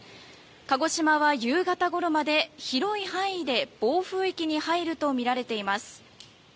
鹿児島は夕方ごろまで広い範囲で暴風域に入るとみられています。